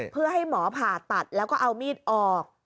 เพื่อให้หมอผ่าตัดแล้วก็เอามีดออก